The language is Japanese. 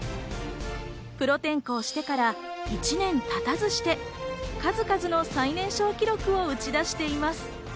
プロ転向してから１年経たずして数々の最年少記録を打ち出しています。